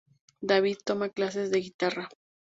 David toma clases de guitarra.